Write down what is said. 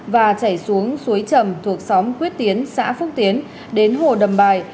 và chảy xuống suối trầm thuộc xóm quyết tiến xã phúc tiến đến hồ đầm bài